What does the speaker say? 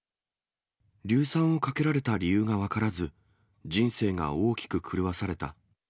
硫酸をかけられた理由が分からず、人生が大きく狂わされた。